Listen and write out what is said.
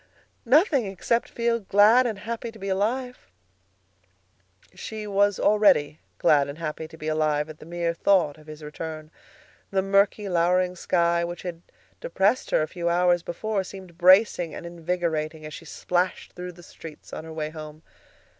Nothing, except feel glad and happy to be alive." She was already glad and happy to be alive at the mere thought of his return. The murky, lowering sky, which had depressed her a few hours before, seemed bracing and invigorating as she splashed through the streets on her way home.